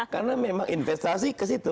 karena memang investasi ke situ